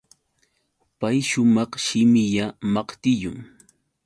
Pay shumaq shimilla maqtillum.